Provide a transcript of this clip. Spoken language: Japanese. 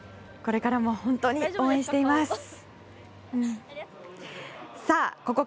これからも本当に応援しています。